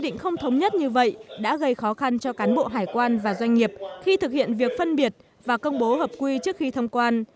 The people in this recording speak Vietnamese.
định không thống nhất như vậy đã gây khó khăn cho cán bộ hải quan và doanh nghiệp khi thực hiện việc phân biệt và công bố hợp quy trước khi thông quan